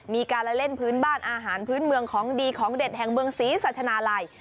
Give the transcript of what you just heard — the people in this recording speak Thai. มีการละเล่นพื้นบ้านอาหารพื้นเมืองของดีของเด็ดแห่งเมืองศรีสัชนาลัย